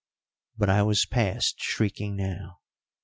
But I was past shrieking now.